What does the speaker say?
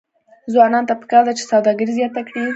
ځوانانو ته پکار ده چې، سوداګري زیاته کړي.